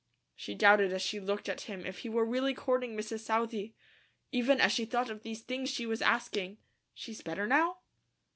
She doubted as she looked at him if he were really courting Mrs. Southey. Even as she thought of these things she was asking: "She's better now?"